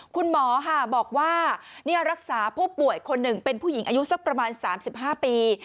คุณหมอบอกว่ารักษาผู้ป่วยคนหนึ่งเป็นผู้หญิงอายุสักประมาณ๓๕ปี